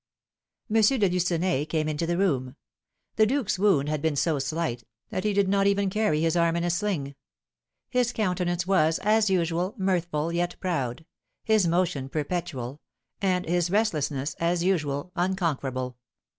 M. de Lucenay came into the room. The duke's wound had been so slight, that he did not even carry his arm in a sling. His countenance was, as usual, mirthful, yet proud; his motion perpetual; and his restlessness, as usual, unconquerable.